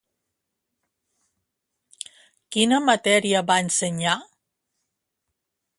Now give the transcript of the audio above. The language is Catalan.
Quina matèria va ensenyar?